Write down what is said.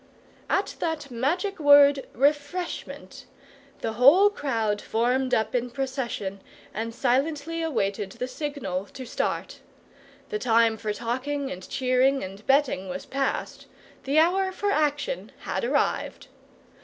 At that magic word REFRESHMENT the whole crowd formed up in procession and silently awaited the signal to start. The time for talking and cheering and betting was past, the hour for action had arrived.